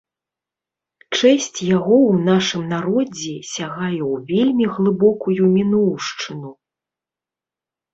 Чэсць яго ў нашым народзе сягае ў вельмі глыбокую мінуўшчыну.